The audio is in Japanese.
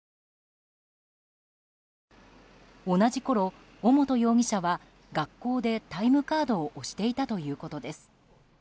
同じころ、尾本容疑者は学校でタイムカードを押していたということです。